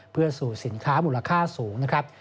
เพื่อสู่สินค้ามูลค่าสูงนะครับ